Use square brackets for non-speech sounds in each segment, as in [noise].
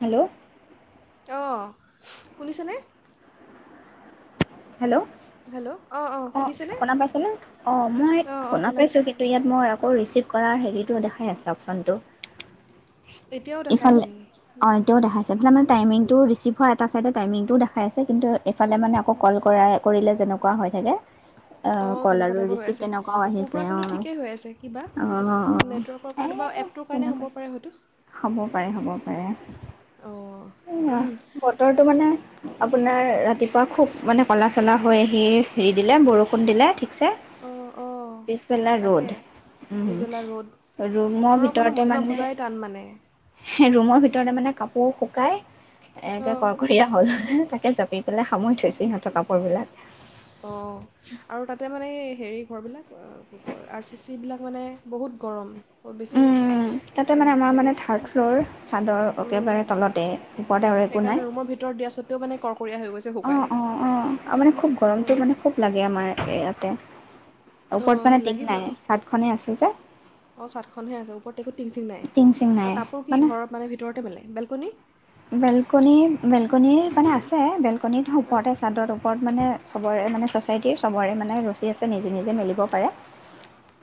Hello. অ শুনিছেনে। Hello. Hello. অঁ অঁ অ শুনিছেনে শুনা পাইছ নে। অ মই অঁ অঁ শুনা পাইছো কিন্তু ইয়াত মই। আকৌ ৰিচিভ কৰাৰ হেৰিটো দেখাই আছে অপচনটো। এতিয়াও দেখাই আছে ইফালে নেকি অ' এতিয়াও দেখাইছে ইফালে মানে টাইমিং টো ৰিচিভ - হয়, এটা ছাইডে টাইমিংটোও দেখাই আছে কিন্তু এইফালে মানে আকৌ কল কৰাই কৰিলে যেনেকুৱা হৈ থাকে। অ কল তেনেকুৱা আৰু টাইপৰ হৈ ৰিচিভ আছে তেনেকুৱাও মোৰ আহিছে পৰা কিন্তু অঁ ঠিকেই হৈ আছে কিবা অঁ অঁ নেটৱৰ্কৰ এই কাৰণে বা এপটোৰ কাৰণে তেনেকুৱা হ'ব পাৰে হয়তো। [inaudible] অঁ সেয়া বতৰটো মানে। আপোনাৰ ৰাতিপুৱা খুব মানে ক'লা-চলা হৈ আহি হেৰি দিলে বৰষুণ দিলে। ঠিকছে অঁ অঁ পিছবেলা তাকে ৰ'দ, পিছবেলা ৰ'দ উ ৰুমৰ বতৰৰ কোনো ভিতৰতে মহিমা মানে বুজাই টান মানে ৰুমৰ ভিতৰতে মানে কাপো- অও শুকাই। একে অঁ কৰ্কৰীয়া হ'ল। তাকে যাবি কেলেই সামৰি থৈছে সিহঁতৰ কাপোৰ বিলাক। অ আৰু তাতে মানে হেৰি ঘৰবিলাক। কি কয় আৰ-চি-চিবিলাক মানে বহুত গৰম। অ বেছি উম তাতে মানে আমাৰ মানে হেৰি। থাৰ্ড ফ্ল'ৰ চাদৰ একেবাৰে তলতে ওপৰত আৰু একো নাই। সেইকাৰণে ৰুমৰ ভিতৰত দিয়া স্বত্বেও মানে কৰকৰীয়া হৈ গৈছে শুকাই অ-অ-অ মানে খুব গৰমতটো মানে খুব লাগে আমাৰ। ইয়াতে। অঁ ওপৰত মানে টিং নাই চাট খনে আছে। কি কৈছা। অ চাডখনহে আছে ওপৰত। একো টিং, চিং নাই টিং চিং আৰু নাই কাপোৰ কি ঘৰত মানে ভিতৰতে মেলে। বেলকনি বেলকনি-বেলকনিৰ মানে আছে বেল কণিত অঁ সোকোৱাতে চাদৰ ওপৰত মানে চবৰে মানে ছ'চাইটিৰ, চবৰে মানে ৰচী আছে নিজে-নিজে মেলিব পাৰে।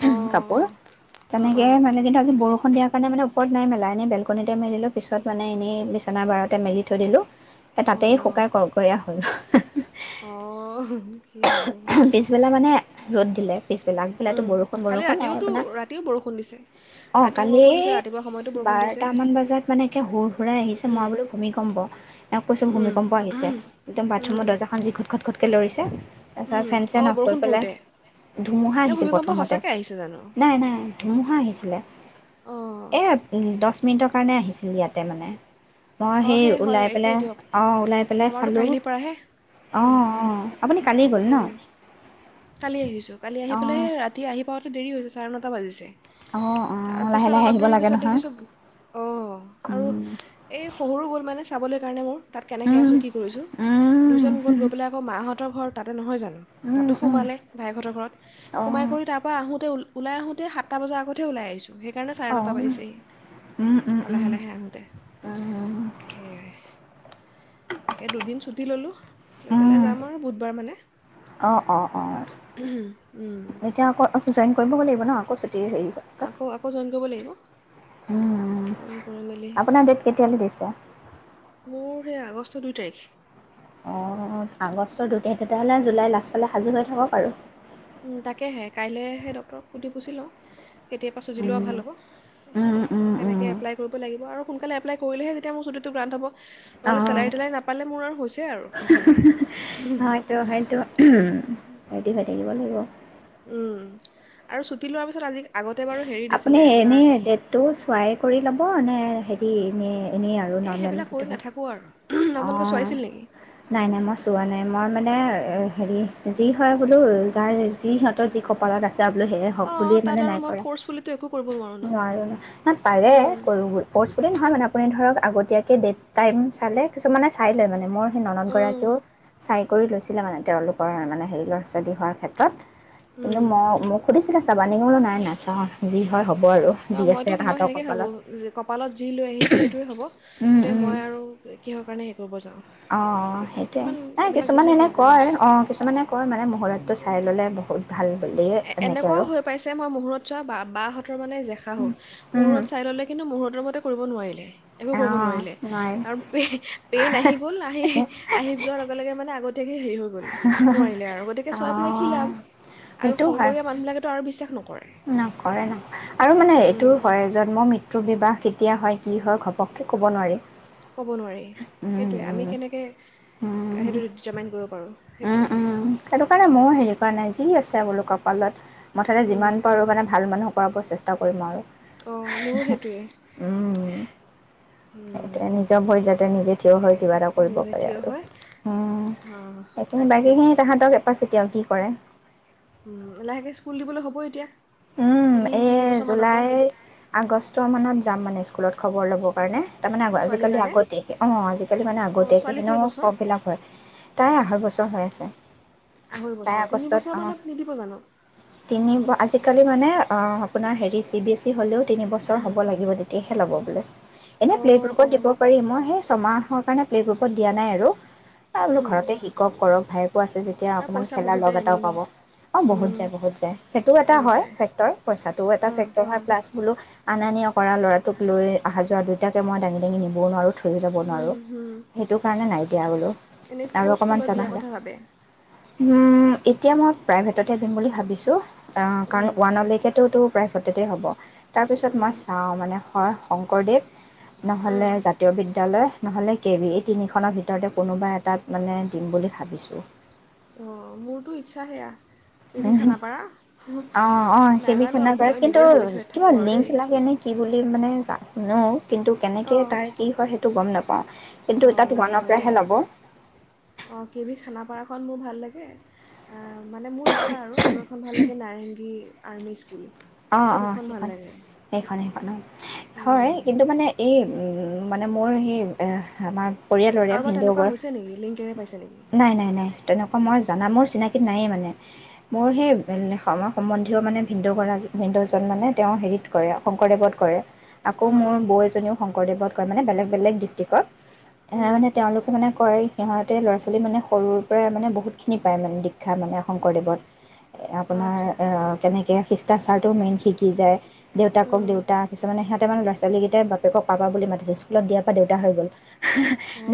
উ কাপোৰ অঁ তেনেকে অঁ মানে কিন্তু আজি বৰষুণ দিয়া। মানে-মানে ওপৰত নাই মেলা, এনেই বেলকনিতে মেলিলো পিছত মানে এনেই বিচনাৰ বাৰতে মেলি থৈ দিলোঁ। এ অঁ তাতেই অঁ শুকাই কৰকৰীয়া হল। অঁ কি হ'ব। পিছবেলা মানে ৰ'দ দিলে। পিছবেলা আগবেলাটো উম, বৰষুণ কালি বৰষুণ নাই ৰাতিওতো আপোনাৰ ৰাতিও বৰষুণ দিছে অ ৰাতিও কালি বৰষুণ দিছে ৰাতিপুৱা সময়তো বৰষুণ দিছে বাৰটামান বজাত মানে একে হুৰ- হুৰাই আহিছে মই বোলো ভূমিকম্প এওক কৈছো উম ভূমিকম্প আহিছে একদম বাথৰুমত উম দৰ্জাখন যি ঘট - ঘট - ঘটকে লৰিছে। সেয়া উম ফেন চেন অঁ অফ কৰি বৰষুণ পেলাই পৰোঁতে ধুমুহা নে আহিছিল ভূমিকম্প প্ৰথমতে, সঁচাকৈ আহিছে জানো নাই - নাই ধুমুহা আহিছিলে। অঁ এ দহ মিনিটৰ কাৰণে আহিছিল ইয়াতে মানে মই অঁ সেই হয় ওলাই একেই পেলাই দিয়ক অঁ', ওলাই পেলাই আমাৰতো চালোঁ অঁ', কাহিলীৰ পৰাহে - অঁ', আপুনি কালিয় গ'ল উম, ন',? কালি আহিছো কালি আহিাই স', অঁ ৰা আহী পোৱাতে দেৰি হৈছে চাৰে নটা বাজিছে। অঁ অঁ লাহে তাৰপিছত লাহে অলপ আহিব দেৰি লাগে পিছত নহয় দেখিছো অ', আৰু উম এই শহৰু গ'ল মানে চাবলৈ সেইকাৰণে মোৰ তাত কেনেকৈ উম আছোঁ, কি কৰিছোঁ, দুইজন উম গ'ল গৈ পেলাই আকৌ মাহঁত ঘৰ তাতে নহয় জানো? তাতো উম', উম সোমালে ভাইেহঁতৰ ঘৰত সোমাই অঁ কৰি তাৰ পৰা আহোঁ মতে ওল আহোতে সাত বজ আগতে ওলাই আহিচো সেইকাৰণে চাৰে অঁ নটা বাজিছেহি উম উম আৰু লাহে উম -লাহে আহোঁতে সেয়াই। তাকে দুদিন ছুটি ল'লোঁ। লৈ পেলাই যাম আৰু বুধবাৰ মানে। অ', - অ', - অ ', এতিয়া আকৌ জাইন কৰিব লাগিব ন', আকৌ দেৰি হৈ গৈছে, আকৌ আকৌ জইন কৰিব লাগিব উম জইন কৰি মেলি ', আপোনাৰ ডেট কেতিয়ালৈ দিছে। মোৰ সেই আগষ্ট দুই তাৰিখ। অঁ ', আগষ্টৰ দুই তাৰিখ তেতিয়াহলে জুলাই লাষ্টফালে সাজু হৈ থাকক আৰু উম ', তাকেহে কাইলৈহে ডক্টৰক সুধি পুচি লওঁ। কেতিয়াবা চুটী লোৱা উম ভাল হ'ব, উম উম তেনেকৈ এপ্লাই কৰিব লাগিব আৰু সোনকালে এপ্লাই কৰিলেহে যেতিয়াৰ ছুটীটো গ্ৰাণ্ট হ'ব। নহ'লে অঁ চেলাই তেলাই নাপালে মোৰ আৰু হৈছে আৰু সেইফালে হম ', হয়তো হয়তো ৰেডি হৈ থাকিব লাগিব উম', আৰু ছুটি লোৱাৰ পিছত আজি আগত, আপুনি এনে ডেটটো চোৱাই কৰি ল'ব নে', হেৰি এনে, এনেই আৰু এই নৰ্মেল সেইবিলাক কৰি যিটো হয়। নাথাকোঁ আৰু আপোনালোকে অ', চোৱাইছিল নেকি নাই-নাই মই চোৱা নাই। মই মানে, হেৰি যি', হয় বোলো যাৰ যি', সিহঁতৰ যি', কপালত আছে যাবলৈ সেয়ে হওক অঁ বুলি তাত মানে আৰু নাই মই কৰা। ফ'ৰ্চফুলিতো একো কৰিব নোৱাৰোঁ ন নোৱাৰে, ন', পাৰে উম, ফৰ্চ বুলি নহয় মানে আপুনি ধৰক আগতিয়াই কি ডেট? টাইম চালে? কিছুমানে চাই লয় মানে মই, সেই উম, ননদগৰাকীয়েও চাই, কৰি লৈছিলে মানে তেওঁলোকৰ মানে হেৰি ল'ৰা-ছোৱালী হোৱাৰ ক্ষেত্ৰত কিন্তু উম। মই', মোক সুধিছিলে চাব, জানিবলৈ নাই নাচাওঁ যি হয় হব আৰু যি ন', আছে মইতো মই', তাহাঁতৰ সেনেকেই ভাবোঁ, কপালত কপালত যি লৈ আহিছে সেইটোৱে হ'ব উম, গতিকে উম। মই আৰু কিহৰ কাৰণে? কৰিব যাওঁ অ', সেইকাৰণে সেইটোয়ে ইমান নাই এইবিলাক কিছুমানে বিশ্বাস এনে নকৰোঁ আৰু কয়', অ', কিছুমানে কয়, মানে মুহৰটো চাই ল'লে বহুত ভাল। বুলি এনেকে আৰু এনেকুৱাও হৈ পাইছে মই মুহূৰত চোৱা বা, বাহ, বা হতৰ মানে জেখাশাহু, উম মুহূৰত চাই ল'লে কিন্তু মুহূৰতৰ মতে, কৰিব নোৱাৰিলে। একো কৰিব অঁ নোৱাৰিলে, নোৱাৰিম কাৰন পেইন আহি গ'ল আহি', -আহি', যোৱাৰ লগে-লগে মানে আগতে, হেৰি হৈ গ'ল নোৱাৰিলে আৰু গতিকে চোৱাই পেলাই কি অঁ লাভ আৰু সেইটোও হয় শংকৰীয়া মানুহবিলাকেতো আৰু, বিশ্বাস ন', নকৰে- নকৰে আৰু মানে এইটোও উম হয় জন্ম- মৃত্যু-বিবাহ, কেতিয়া হয়', কি', হয়', ঘপককে ক'ব নোৱাৰি। ক'ব নোৱাৰি উম, সেইটোৱে আমি উম, কেনেকে, উম, সেইটো জাৰমাইণ্ট কৰিব পাৰোঁ উম, সেইটোৱেই। উম, সেইটো কাৰণে ময়ো হেৰি কৰা নাই, যি আছে বোলো কপালত। মুঠতে যিমান পাৰোঁ মানে ভাল মানুহক, খুৱাব চেষ্টা কৰিম আৰু, অঁ মোৰো সেইটোৱে উম', সেইটোৱে নিজৰ ভৰি জ, তে নিজে হয় কিবা এটা কৰিব নিজে পাৰে থিয় আৰু হয় উম অঁ সেইখিনি তাকেহে বাকী খিনি এটা চিতিয়াও কি কৰে? লাহেকৈ স্কুল দিবলৈ হ'ব এতিয়া। উম, তিনি এই তিনি বছৰমানৰ পৰা জুলাইৰ আগষ্ট মানত যাম মানে স্কুলত খবৰ ল'বৰ কাৰণে। তাৰমানে ছোৱালীৰ আজিকালি কাৰণে আগতীয়াকে অ' আজিকালি মানে অঁ আগতিয়াকে ছোৱালী হেনো কেইবছৰ ফ্ৰম ফিলাপ হয়, তাই আঢ়ৈ বছৰ ছয় হৈ আছে। আঢ়ৈ তাই বছৰ আগষ্টত তিনিবছৰ অঁ মানত নিদিব জানো। তিনি আজিকালি মানে, আপোনাৰ হেৰি চি বিএছি ই হ'লেও তিনিবছৰ হ'ব লাগিব তেতিয়াহে ল'ব। বোলে। এনে প্লে অঁ গ্ৰুপত অঁ দিব পাৰি মই ছমাহৰ কাৰণে প্লে'গ্ৰুপত দিয়া নাই আৰু। এ বোলো ঘৰতে শিকক কৰক। ভায়েক ত আছে যেতিয়া আৰু অকমান পইচা খেলাৰ বহুত লগ যায় এনেই এটাও পাব এনেই অ' বহুত যায়, বহুত যায় সেইটোও এটা বহুত হয় যায় ফেক্টৰ পইচাটো এটা অঁ ফেক্টৰ হয়, অঁ প্লাছ বোলো আনা নিয়া কৰা ল'ৰাটোক লৈ অহা যোৱা দুয়োটাকে মই দাঙি-দাঙি নিবও নোৱাৰোঁ। লৈ যাব নোৱাৰো সেইটো কাৰণে নাই দিয়া, বোলো এনেই আৰু কোন অকনমান স্কুলত জনা দিয়া হলে, কথা ভাবে উম, এতিয়া মই প্ৰাইভেটতে দিম বুলি ভাবিছো। অঁ কাৰণ ওৱানৰ লৈকেতো টো প্ৰাই সততে হ'ব। তাৰপিছত মই চাওঁ মানে হয়, শংকৰদেৱ নহ'লে জাতীয় বিদ্যালয়, নহ'লে কে ভি এই তিনিখনৰ ভিতৰতে কোনোবা এটাত মানে দিম বুলি ভাবিছোঁ। অ' মোৰটো ইচ্ছা, সেয়া কে ভি উম, খানাপাৰা অ-অ, কে ভি নাজানো আৰু খানাপাৰা মই কিন্তু নিজে ভাবি থৈ কিবা থাকোঁ আৰু লিংক দেই লাগে নে কি বুলি? কি মানে ঝা ন [unintelligible] কিন্তু কেনেকৈ তাৰ কি হয় সেই টো গম নাপাওঁ কিন্তু অ তাত ওৱানৰ নাজানো পৰাহে দেই ল'ব অ কে ভি খানাপাৰাখন মোৰ ভাল লাগে। স [unintelligible] মানে মোৰ ইচ্ছা আৰু এখন ভাল লাগে নাৰেংগী আৰ্মি স্কুল অ এই অ দুখন ভাল সেইখন লাগে সেইখনে পন [unintelligible] উম, হয় কিন্তু মানে এই মানে মোৰ সেই আমাৰ পৰিয়ালৰে কাৰোবাৰ ভিন্দ তেনেকুৱা হয় হৈছে নেকি লিংকেৰে পাইছে নেকি নাই নাই নাই তেনেকুৱা মই জানা মোৰ চিনাকী নাইয়ে মানে মোৰ সেই সময় সম্বন্ধীয়ও মানে ভিন্দেউ হয় আৰু ভিন্দেউজন মানে তেওঁ হেৰিত কৰে শংকৰদেৱত কৰে আকৌ অঁ মোৰ অঁ বৌ এজনীও শংকৰদেৱত কৰে মানে বেলেগ বেলেগ ডিষ্ট্ৰিকত এ উম, মানে তেওঁলোকে মানে কৰে সিহঁত তে ল'ৰা ছোৱালী মানে সৰুৰ পৰাই মানে বহুতখিনি পায় মানে দীক্ষা মানে শংকৰদেৱত আপোনাৰ আচ্ছা কেনেকৈ খিষ্টাচাৰ্ট টো মেইন শিকি যায় দেউতাকক উম, দেউতা কিছুমানে সিহঁতে মান লৰাৱালীকেইটা বেক পা মাতি স্কুলত দিয়াৰ পৰা দেউতা হৈ গল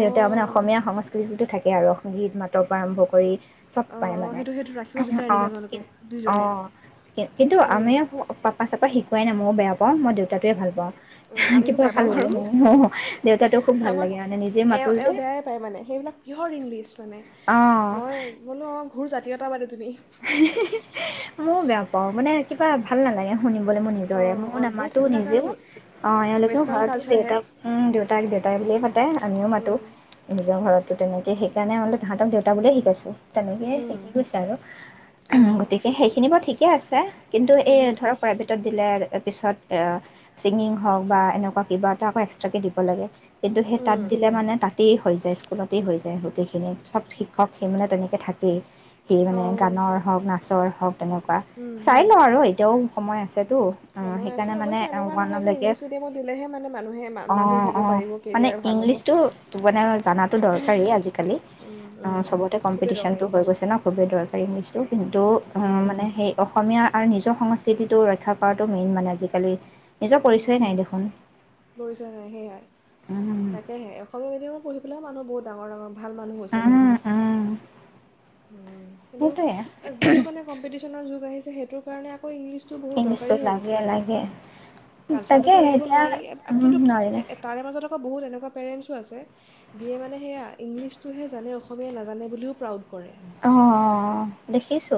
দেউতা মানে অসমীয়া সংস্কৃতিতটো থাকে আৰু গীত মাতৰ আৰম্ভ কৰি চব পাই অঁ অঁ মানে সেইটো সেইটো ৰাখিব বিচাৰে অ নেকি কি আপোনালোকে অ দুইজনে কিন্তু উম, আমি পাপা চাকক শিকোৱাই বেয়া পাওঁ মই দেউতাটোৱে ভাল পাওঁ আমিও কিবা বেয়া ভাল পাওঁ লাগে আৰু মোৰ দেউতাটো খুব ভাল আমাৰ লাগে মানে নিজে মাতো এওঁ এওঁ যে। বেয়াই পায় মানে সেইবিলাক কিহৰ ইংলিছ মানে অ', মই বোলো সুজাতীয়তাদি তুমি মই বেয়া পাওঁ মানে কিবা ভাল নালাগে শুনিবলৈ মোৰ নিজৰে অঁ মোৰ অদ্ভুত নামাতো সেইবিলাক আৰু নিজেও অঁ এওঁলোকেও ৱেষ্টাৰ্ণ ঘৰতো কালচাৰহে দেউতাক দেউতাক দেউতাই বুলিয়ে পাতে আমিও মাতোঁ উম, নিজৰ ঘৰত ত' তেনেকে সেইকাৰণে মান তাহাঁক দেউতা বুলিয়ে শিকাইছো তেনেকে হুম, শিকি কৈছে আৰু উ অঁ গতিকে সেইখিনি বৰ ঠিক থিকে আছে কিন্তু হুম, এই হুম, ধৰক প্ৰাইভেটত দিলে পিছত ছিংগিং হওক বা এনেকুৱা কিবা এটা আকৌ এক্সট্ৰাকে দিব লাগে কিন্তু সেই তাত উম, দিলে মানে তাতেই হৈ যায় স্কুলতেই হৈ যায় গোটেইখিনি চব শিক্ষক সেই মানে তেনেকৈ থাকেই কি মানে অঁ গানৰ হওক নাচৰ হওক তেনেকুৱা হুম, চাই হুম। লওঁ আৰু এতিয়াও সময় আছেতো অ', সময় আছে সেইকাৰণে মানে অৱশ্যে এনেকুৱা নহয় যে ৱানলৈকে ইংলিছ মিডিয়ামত দিলেহে মানে মানুহে মা- মানুহ অ', হ'ব - অ', পাৰিব মানে কেৰিয়াৰ ভাল হ'ব ইংলিছতটো মানে জানাতো দৰকাৰী আজিকালি উম, অ উম, ', চবতে খুবেই দৰকাৰী কম্পিটিশনতটো হৈ গৈছে ন খুবেই দৰকাৰী। [inaudible] কিন্তু উম, মানে সেই অসমীয়া আৰু নিজৰ সংস্কৃতিটো ৰক্ষা কৰাটো মেইন মানে আজিকালি। নিজৰ উম পৰিচয়ে নাই দেখোন ', পৰিচয় নাই সেয়াই উম তাকেহে অসমীয়া মিডিয়ামৰ পঢ়ি বোলে মানুহ বহুত ডাঙৰ -ডাঙৰ ভাল মানুহ হৈছে মানে। উম উম কিন্ত সেইটোৱে যিটো মানে কম্পিটিচন যোগ আহিছে সেইটো কাৰণে আকৌ ইংলিছটো বহুত দৰকাৰী ইংলিছটো হৈ লাগে গৈছে, লাগে তাকে কালচাৰটোতো এৰিব এতিয়া নোৱাৰি উম কিন্তু নোৱাৰিলে তাৰে মাজত আকৌ বহুত এনেকুৱা পেৰেণ্টছো আছে যিয়ে মানে সেয়া ইংলিছটোহে জানে অসমীয়া নাজানে বুলিও প্ৰাউড। কৰে অ', - অ', দেখিছো।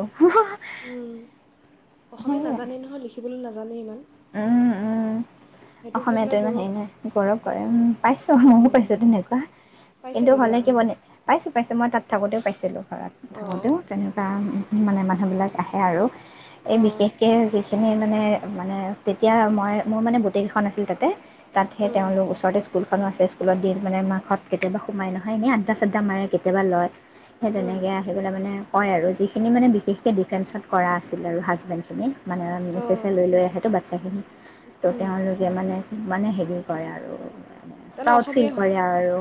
উম', অসমীয়া নাজানে নহয় লিখিবলৈ নাজ নাজানে ইমান উম ', -উম ', সেইটোক লৈ অসমীয়াটো পেলাই ইমান গৌৰৱ হেৰি নাই গৌৰৱ কৰে উম ', পাইছোঁ ময়ো উম। পাইছোঁ তেনেকুৱা পাইছে কিন্তু নেকি হ'লে বাৰু কি মানে পাইছোঁ -পাইছোঁ মই তাত থাকোঁতেও পাইছিলোঁ ঘৰত অঁ থাকোঁতেও তেনেকুৱা মানে মানুহবিলাক আহে আৰু এই অঁ বিশেষকে যি খিনি মানে -মানে তেতিয়া মই মোৰ মানে গোটেইকেইখন আছিল তাতে তাতহে অঁ তেওঁলোকৰ ওচৰতে স্কুল খনো আছে স্কুলত দি মানে মাকহত কেতিয়াবা সোমাই নহয় এনে আ্ডা চা্ডা মাৰে কেতিয়াবা লয়। সেই তেনেকৈ আহি পেলাই মানে হয় আৰু যিখিনি মানে বিশেষকৈ ডিফেন্সত কৰা আছিল আৰু হাজবেণ্ডখিনি। মানে আ', মিচেছে অঁ লৈ- লৈ আহেটো বা চাহনি তো', উম তেওঁলোকে মানে মানে হেৰি কৰে আৰু তেনে প্ৰাউড ফিল অসমীয়াই হয় কৰে আৰু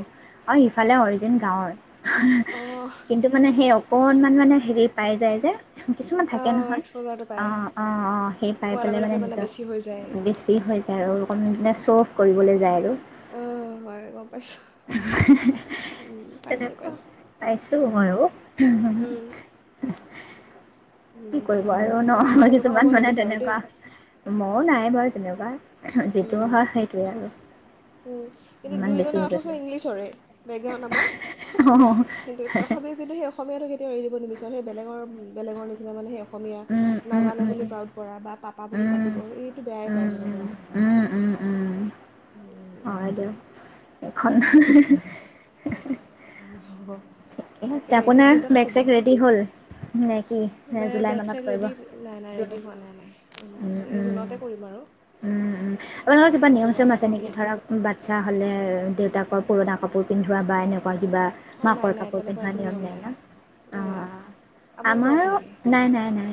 অ', ইফালে অৰিজিন গাঁৱৰ। হ ', - হ অঁ ', কিন্তু মানে সেই অকণমান মানে হেৰি পাই যায় যে। কিছুমান থাকে অঁ নহয় এক্সপ'জাৰটো পায় অঁ ', - অঁ ', -অঁ ', সেই পাই পোৱাৰ পেলাই লগে মানে লগে নিজক বেছি হৈ বেছি হৈছে তেওঁ আৰু অকমান বিকনে অ' হয় গম পাইছো। পাইছোঁ তেনেকুৱা পাইছোঁ। পাইছোঁ ময়ো উম উম। উম, কি কৰিব হ'ব আৰু মই আমি ন তেনেকুৱা হ'ব কিছুমান মানে নিবিচাৰোঁ দেই তেনেকুৱা ম নাই বাৰু তেনেকুৱা। যিটো হয় সেইটোৱে আৰু কিন্তু ইমান বেছি দুইজনে হেৰি কৰি অথচ থাকিলে ইংলিছৰে, বেগগ্ৰাউণ্ড আমাৰ। কিন্তু অঁ - কিন্তু তথাপিও যিটো সি অসমীয়াটো কেতিয়াও এৰি দিব নিবিচাৰে সেই বেলেগৰ - বেলেগৰ নিচিনা মানে সেই অসমীয়া উম উম নাজানে উম বুলি উম প্ৰাউড কৰা বা পাপ পা বুলি উম মাতিব। এইটো বেয়াই পায় উম, মানে তেওঁ। উম, উম, উম, উম। [unintelligible] এখন। [unintelligible] ঠিকে এতিয়া আপোনাৰ কেইটাত বেগ শুব চেগ ৰেডি হ'ল, নে কি? নে জুলাই বেগ মানত চেগ কৰিব? ৰেডি নাই নাই জুন ৰেডি হোৱা নাই উম, নাই এই উম, জোনতে কৰিম আৰু। উম, আপোনালোকৰ কিবা নিয়ম জুনৰ চিয়ম আছে শেষৰ নেকি পিনে ধৰক বাচ্ছা হ'লে দেউতাকৰ। পুৰণা কাপোৰ পিন্ধোৱা বা এনেকা। কিবা অঁ নাই মাকৰ নাই কাপোৰ তেনেকুৱা পিন্ধোৱা একো নিয়ম নাই না অ। নাই আপোনালোকৰ আছে আমাৰো নেকি নাই নাই নাই।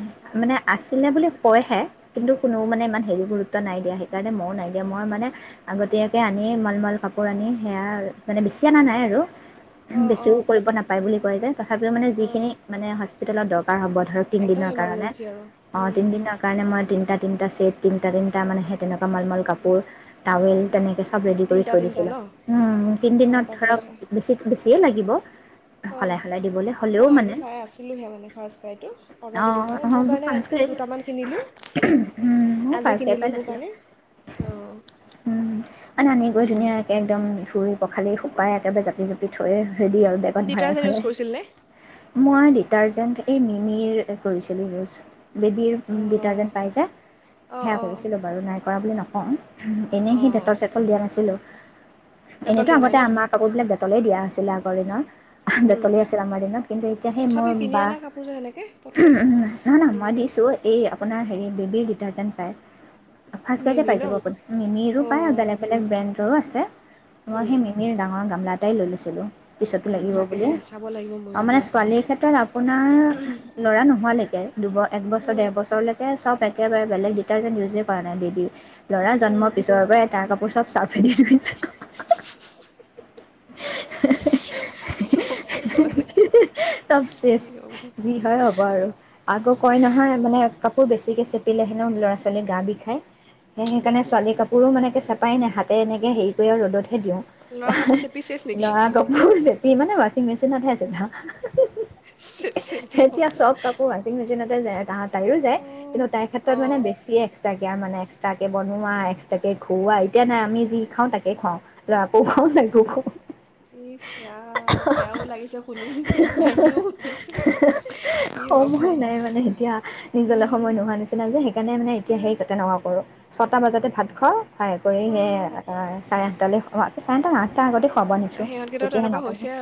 মানে আছিলে বুলি কয়হে কিন্তু কোনো মানে ইমান হেৰি গুৰুত্ব নাই দিয়া সেইকাৰণে মইও নাই দিয়া মই মানে আগতীয়াকে আনি মলমল কাপোৰ আনি সেয়া মানে বেছি অনা নাই আৰু। অঁ বেছিও অঁ কৰিব নাপায় বুলি কোৱা যায় তথাপিও মানে অঁ যিখিনি মানে। যোনদিনত দৰকাৰ হব ধৰক একদম তিনদিনৰ কাৰণে ইমাৰ্জেঞ্চি আৰু অ উম, তিনদিনৰ কাৰণে মই তিনটা। তিনটা চেট তিটা তিনিটা মানে সে তেনেকুৱা মালমল কাপোৰ টাৱেল তেনেকে। চব ৰেদি কৰি তিনিটা থৈ তিনিটা ন দিছিলো অঁ তিনদিনত তাকেহে ধৰক বেছি বেজিয়ে লাগিব। দিব। অঁ সলাই সলাই দিবলৈ হ'লেও মই আজি মানে। চাই আছিলোঁহে মানে ফাৰ্ষ্ট ফ্ৰাইটো অৰ্ডাৰ দিবৰ অঁ কাৰণে অঁ মোৰ কাৰণে পাঁচ কেজি দুটামান কিনিলোঁ মই আজি ফাৰ্ষ্ট গাড়ী কিনিলোঁ পৰাই মোৰ লৈছিলোঁ কাৰণে অঁহ। উম, মানে আনি গৈ ধুনীয়াকৈ একদম ধুই পখালি শুকাই। একবাৰে জাপি জপি থৈ ৰেডি আৰু বেগত ভৰাই ডিটাৰজেণ্ট ইউজ ভৰাই। কৰিছিলনে মই ডিটাৰজেণ্ট। এই মিমিৰ। কৰিছিলো। বেবীৰ অঁ ডিটাৰ্জেণ্ট পাই যে অঁ সেয়া অঁ কৰিছিলোঁ বাৰু নাই কৰা বুলি নকওঁ। অ। এনেই সি অঁ ডেটল চেটল দিয়া নাছিলো লেতল এনেতো দিয়া নাই আগতে ন আমাৰ কাপোৰ বিলাক ডেটলেই দিয়া আছিল। বজাৰ কৰি যাও। উম। ডেটলে আছিল আমাৰ দিনত কিন্তু এতিয়া সে মোৰ বা। ৰ যে সেনেকৈ পটকে নহয় নহয় মই দিবলে। দিছোঁ এই আপোনাৰ বেবীৰ ডিটাৰ্জেণ্ট পায়। ফাষ্ট ফ্লৰতে মিমি পাই ন যাব আপুনি মিমিৰো পায় বেগ অঁ বেলেগ ব্ৰেড ৰো আছে মই উম সেই মিমিৰ ডাঙৰ গামলা টাই লৈ লৈছিলোঁ পিছতো উম লাগিব বুলি তাকেহে চাব লাগিব অ ময়ো মানে দিয়ক ছোৱালীৰ ক্ষেত্ৰত আপোনাৰ ল'ৰা উম নোহোৱালৈকে দুব এক বছৰ ডেৰ বছৰলৈকে চব এক একেবাৰে বেলেগ ডিটাৰজেন্ট ইউজে কৰা নাই বেবি ল'ৰা উম জন্মৰ পিছৰ পৰাই তাৰ কাপোৰ চব চাৰ্ফেদি ধুইছে [unintelligible] চব চেচ মানে চব ছেফ কি হ'ব যি হয় অ আৰু আকৌ কয় নহয় মানে কাপোৰ বেছিকে চেপিলে হেনও ল'ৰা ছোৱালী গা বিষখায় সে সেইকাৰণে ছোৱালী কাপোৰো মানেকে চেপাই নাই হাতে এনেকে হেৰি কৰি আৰু ৰ'দত ল'ৰা কাপোৰ চেপি চেচ দিও নেকি লৰা কাপোৰ চেপি পিনে মেচিনতহে আছিলা চেচেই দিব এতিয়া চব কাপোৰ ৱাছিং মেচিনতে যায় তাঁত তাইো যায় অঁ কিন্তু তাই ক্ষেত্ৰত মানে অঁ বেছি এক্সট্ৰা এতিয়া মানে এক্সট্ৰা বনোৱা এক্সট্ৰাকে খুৱাই তেতিয়া নাই আমি যি খাওঁ তাকে খোৱাঁও ল'ৰাকো খোৱাঁও তাইকো খাওঁ ইচ্ ৰাম বেয়াও লাগিছে শুনি উঠিছে কি হ'ব সময় নাই মানে এতিয়া নিজলে উম সময় নোহোৱা নিচিনা যে সেইকাৰণে মানে এতিয়া সেই তেনেকুৱা কৰো ছটা বজাতে ভাত খোৱা সহায় কৰি সেই উম চাৰে সা চাৰে সাতটা আঠ টকা আগতে প'ব নিশ্চয় সিহঁতকেইটাও তেতিয়াহে ন তেনেকুৱা টা হৈছে বজাত আৰু